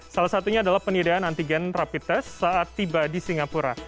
salah satunya adalah penyediaan antigen rapid test saat tiba di singapura